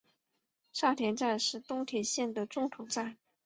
沙田站是东铁线的中途站。